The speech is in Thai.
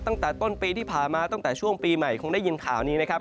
ตั้งแต่ต้นปีที่ผ่านมาตั้งแต่ช่วงปีใหม่คงได้ยินข่าวนี้นะครับ